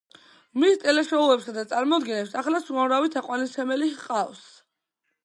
მის ტელეშოუებსა და წარმოდგენებს ახლაც უამრავი თაყვანისმცემელი ჰყავს.